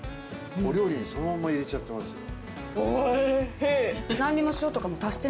お料理にそのまま入れちゃってますよ。